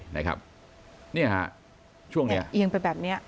นี่ค่ะช่วงนี้